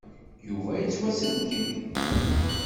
Yuba yettwasselkem.